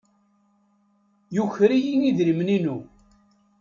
Yuker-iyi idrimen-inu.